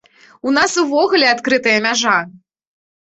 У нас увогуле адкрытая мяжа!